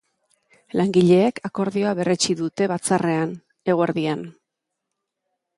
Langileek akordioa berretsi dute batzarrrean, eguerdian.